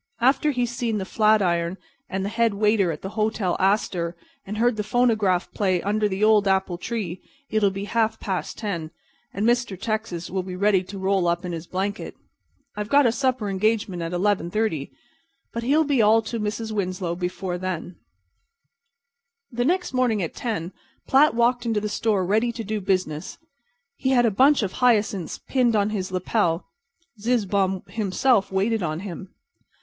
After he's seen the Flatiron and the head waiter at the Hotel Astor and heard the phonograph play 'Under the Old Apple Tree' it'll be half past ten, and Mr. Texas will be ready to roll up in his blanket. I've got a supper engagement at 11:30, but he'll be all to the Mrs. Winslow before then." The next morning at 10 Platt walked into the store ready to do business. He had a bunch of hyacinths pinned on his lapel. Zizzbaum himself waited on him.